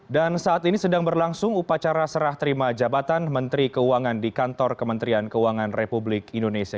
dan saat ini sedang berlangsung upacara serah terima jabatan menteri keuangan di kantor kementerian keuangan republik indonesia